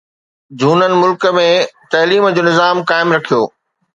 جهونن ملڪ ۾ تعليم جو نظام قائم رکيو